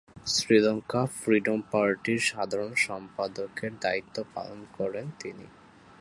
Sri Lanka freedom পার্টির সাধারণ সম্পাদকের দায়িত্ব পালন করেন তিনি।